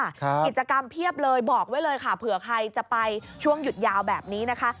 กิจกรรมเพียบเลยบอกไว้เลยค่ะเผื่อใครจะไปช่วงหยุดยาวแบบนี้นะคะ